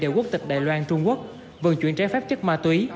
đều quốc tịch đài loan trung quốc vận chuyển trái phép chất ma túy